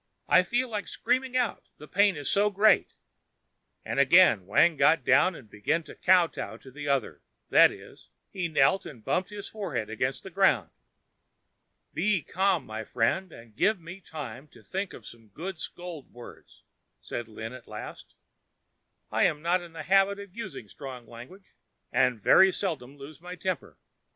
I feel like screaming out, the pain is so great," and again Wang got down and began to kowtow to the other; that is, he knelt and bumped his forehead against the ground. "Be calm, my friend, and give me time to think of some good scold words," said Lin at last. "I am not in the habit of using strong language, and very seldom lose my temper.